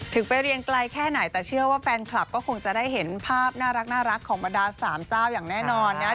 ไปเรียนไกลแค่ไหนแต่เชื่อว่าแฟนคลับก็คงจะได้เห็นภาพน่ารักของบรรดาสามเจ้าอย่างแน่นอนนะ